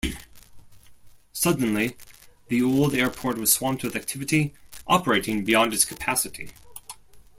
Suddenly, the old airport was swamped with activity, operating beyond its capacity.